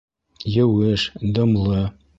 Еүеш, дымлы